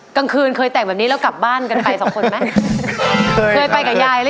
กลางคืนเคยแต่งแบบนี้แล้วกลับบ้านกันไปสองคนไหม